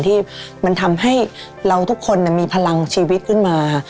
ที่มันทำให้เราทุกคนมีพลังชีวิตขึ้นมา